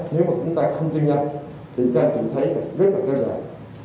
nếu mà chúng ta không tiêm nhanh thì ca trị thấy rất là thêm đại